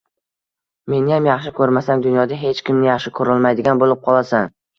Meniyam yaxshi ko‘rmasang, dunyoda hech kimni yaxshi ko‘rolmaydigan bo‘lib qolasan.